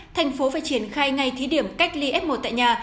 thành phố phải triển khai ngay thí điểm cách ly f một tại nhà